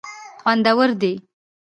خوندور دي.